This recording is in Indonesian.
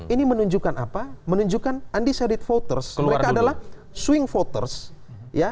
ini menunjukkan apa menunjukkan anti saudi voters mereka adalah swing voters ya